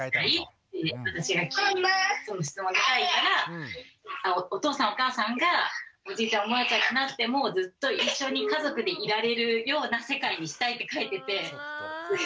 って私が質問で書いたら「お父さんお母さんがおじいちゃんおばあちゃんになってもずっと一緒に家族でいられるような世界にしたい」って書いてて。